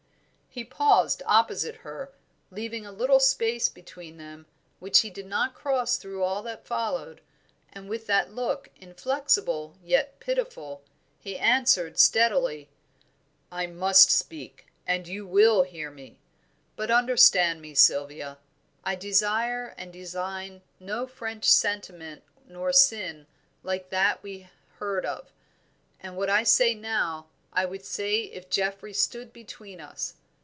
He paused opposite her, leaving a little space between them, which he did not cross through all that followed, and with that look, inflexible yet pitiful, he answered steadily "I must speak and you will hear me. But understand me, Sylvia, I desire and design no French sentiment nor sin like that we heard of, and what I say now I would say if Geoffrey stood between us.